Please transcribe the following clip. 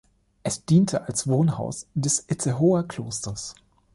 Es diente als Wohnhaus des Itzehoer Klosters.